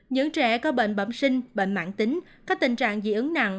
những trẻ có bệnh bẩm sinh bệnh mạng tính có tình trạng dị ứng nặng